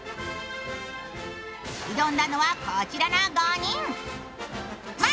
挑んだのはこちらの５人。